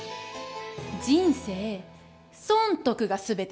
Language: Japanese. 人生損得が全てよ！